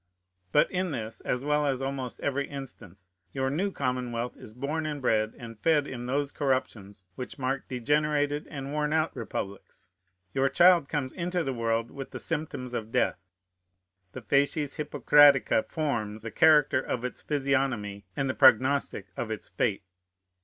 But in this, as well as almost every instance, your new commonwealth is born and bred and fed in those corruptions which mark degenerated and worn out republics. Your child comes into the world with the symptoms of death; the facies Hippocratica forms the character of its physiognomy and the prognostic of its fate.